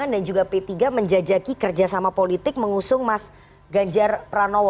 mas asto langsung saja kemarin pdi perjuangan dan juga p tiga menjajaki kerjasama politik mengusung mas ganjar pranowo